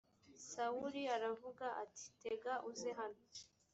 sawuli aravuga ati tega uze hano